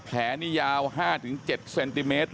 แผลนี่ยาว๕๗เซนติเมตร